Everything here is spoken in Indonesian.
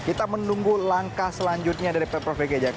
kita menunggu langkah selanjutnya dari pemprov dki jakarta